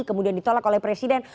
kemudian ditolak oleh presiden